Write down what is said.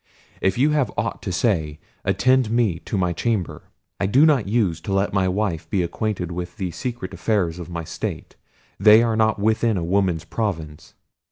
If you have aught to say attend me to my chamber; I do not use to let my wife be acquainted with the secret affairs of my state; they are not within a woman's province."